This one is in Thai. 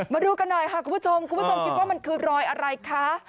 มาดูกันหน่อยค่ะคุณผู้ชมคุณผู้ชมคิดว่ามันคือรอยอะไรคะ